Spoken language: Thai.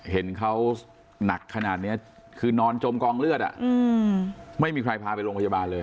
เห็นเขาหนักขนาดนี้คือนอนจมกองเลือดไม่มีใครพาไปโรงพยาบาลเลย